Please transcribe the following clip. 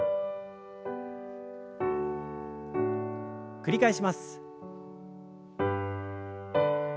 繰り返します。